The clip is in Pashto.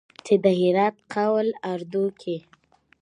چې د هرات قول اردو کې